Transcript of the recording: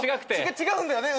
違うんだよね！？